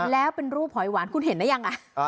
แล้วเป็นรูปหอยหวานคุณเห็นได้ยัง